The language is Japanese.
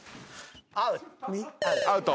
アウト。